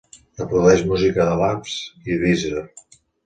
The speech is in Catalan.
Reprodueix música de Lastfm i Deezer.